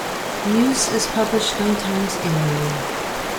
"Muse" is published nine times annually.